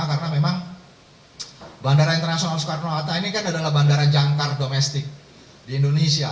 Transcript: karena memang bandara internasional soekarno hatta ini kan adalah bandara jangkar domestik di indonesia